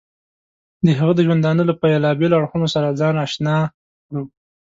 د هغه د ژوندانه له بېلابېلو اړخونو سره ځان اشنا کړو.